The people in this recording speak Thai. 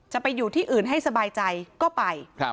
จะไปอยู่ที่อื่นให้สบายใจก็ไป